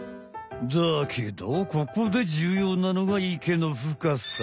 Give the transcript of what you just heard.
だけどここでじゅうようなのが池の深さ。